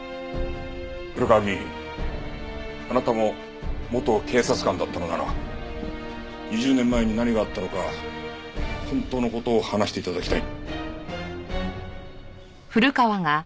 古河議員あなたも元警察官だったのなら２０年前に何があったのか本当の事を話して頂きたい。